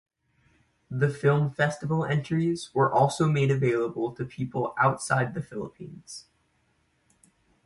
The film festival entries were also made available to people outside the Philippines.